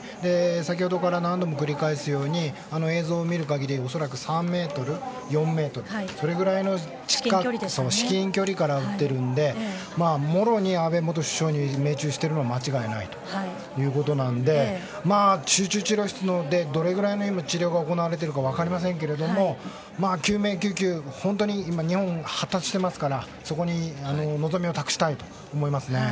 先ほどから何度も繰り返すように映像を見る限り恐らく３ｍ、４ｍそれぐらいの至近距離から撃っているのでもろに安倍元首相に命中しているのは間違いないということなので集中治療室でどのぐらいの治療が行われているのか分かりませんが救命救急は本当に今日本は発達してますからそこに望みを託したいと思います。